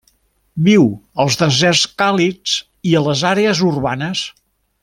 Viu als deserts càlids i a les àrees urbanes.